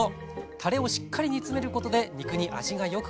たれをしっかり煮詰めることで肉に味がよくからみます。